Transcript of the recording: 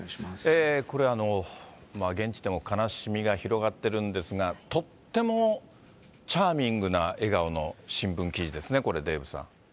これ、現地でも悲しみが広がってるんですが、とってもチャーミングな笑顔の新聞記事ですね、これ、デーブさん。